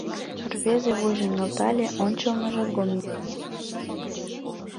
Рвезе вуйжым нӧлтале, ончылныжо гоминдан офицер шога.